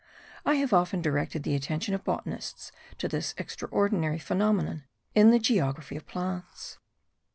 I have often directed the attention of botanists to this extraordinary phenomenon in the geography of plants.